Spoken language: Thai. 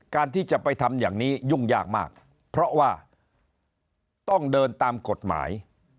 การที่จะไปทำอย่างนี้ยุ่งยากมากเพราะว่าต้องเดินตามกฎหมาย